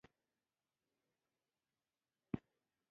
زما منی.